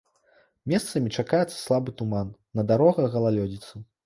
Месцамі чакаецца слабы туман, на дарогах галалёдзіца.